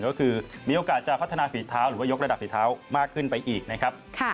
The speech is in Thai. ก็คือมีโอกาสจะพัฒนาฝีเท้าหรือว่ายกระดับฝีเท้ามากขึ้นไปอีกนะครับ